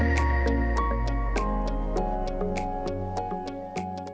kendiaran poluit drive